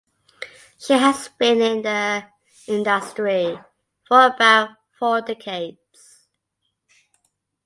She has been in the industry for about four decades.